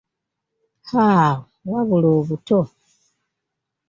Haaa wabula obuto!